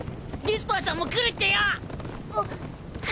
デスパーさんも来るってよ！